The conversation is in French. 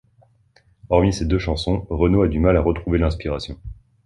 Hormis ces deux chansons, Renaud a du mal à retrouver l'inspiration.